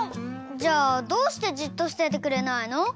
じゃあどうしてじっとしててくれないの？